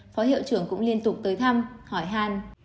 phó hiệu trưởng cũng liên tục tới thăm hỏi hàn